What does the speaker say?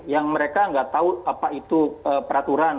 yang mereka nggak tahu apa itu peraturan